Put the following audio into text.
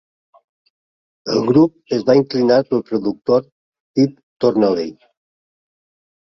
El grup es va inclinar pel productor Phil Thornalley.